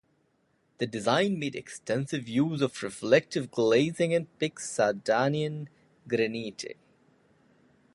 The design made extensive use of reflective glazing and pink Sardinian granite.